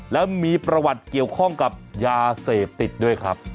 แล้วมีประวัติเกี่ยวข้องกับยาเสพติดด้วยครับ